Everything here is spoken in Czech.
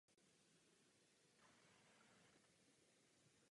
Kromě mírně vyššího výtlaku se od předchozí třídy "Königsberg" lišily jen minimálně.